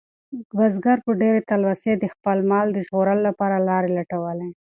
بزګر په ډېرې تلوسې د خپل مال د ژغورلو لپاره لارې لټولې.